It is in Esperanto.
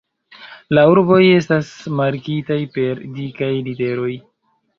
La urboj estas markitaj per dikaj literoj.